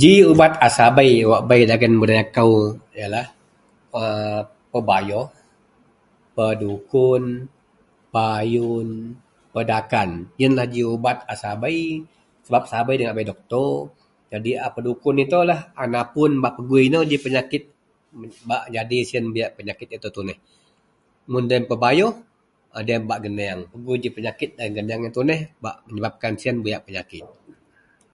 Ji ubat a sabei wak bei dagen budaya kou yen lah a pebayoh, pedukun, payun, pedakan, yen lah ji ubat a sabei sebab a sabei nda ngak bei doktor jadi a pedukun itoulah a napun bak pegui inou ji penyakit bak nyadi siyen buyak penyakit itou tuneh, mun deloyen pebayoh deloyen em pebak geneang pegui ji penyakit laei geneang yen tuneh menyebabkan siyen buyak penyakit.